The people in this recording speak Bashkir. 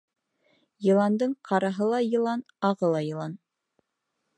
Йыландың ҡараһы ла йылан, ағы ла йылан.